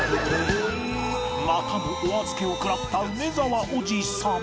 またもお預けを食らった梅沢おじさん